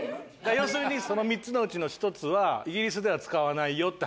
要するにその３つのうちの１つはイギリスでは使わないよって話。